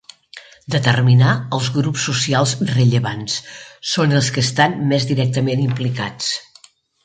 Determinar els grups socials rellevants: són els que estan més directament implicats.